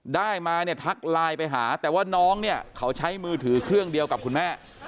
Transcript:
ได้มาเนี่ยทักไลน์ไปหาแต่ว่าน้องเนี่ยเขาใช้มือถือเครื่องเดียวกับคุณแม่